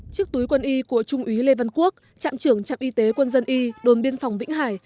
chiếc túi quân y của trung úy lê văn quốc trạm trưởng trạm y tế quân dân y đồn biên phòng vĩnh hải